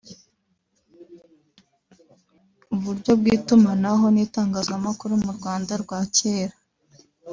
uburyo bw’Itumanaho n’itangazamakuru mu Rwanda rwa Kera